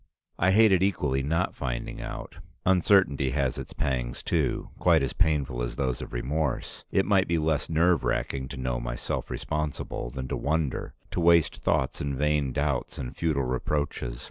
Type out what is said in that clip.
I hated equally not finding out. Uncertainty has its pangs too, quite as painful as those of remorse. It might be less nerve racking to know myself responsible than to wonder, to waste thoughts in vain doubts and futile reproaches.